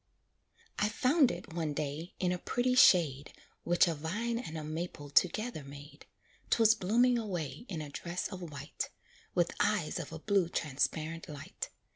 I found it, one day, in a pretty shade Which a vine and a maple together made; 'Twas blooming away in a dress of white, With eyes of a blue transparent light.